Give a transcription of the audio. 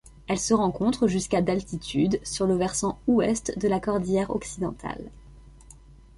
Elle se rencontre jusqu'à d'altitude sur le versant Ouest de la cordillère Occidentale.